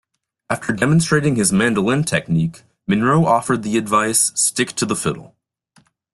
After demonstrating his mandolin technique Monroe offered the advice: "stick to the fiddle".